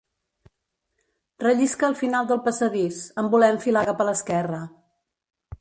Rellisca al final del passadís, en voler enfilar cap a l'esquerra.